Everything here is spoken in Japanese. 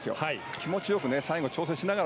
気持ちよく最後調整しながら